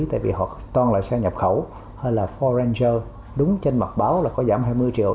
tại vì họ toàn là xe nhập khẩu hay là forranger đúng trên mặt báo là có giảm hai mươi triệu